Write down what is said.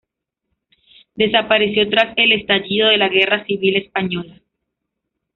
Desapareció tras el estallido de la Guerra Civil Española.